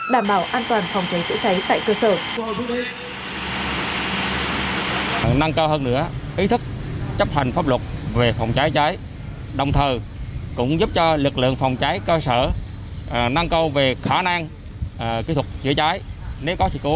đảm bảo an toàn phòng trái chữa trái tại cơ sở